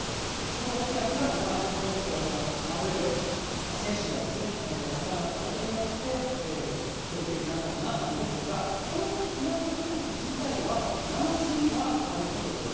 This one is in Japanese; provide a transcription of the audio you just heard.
その高気圧が今、日本列島の真上で先週は重なったことによって記録的な暑さとなったんですが、この気圧配置自体は、真夏にはあることです。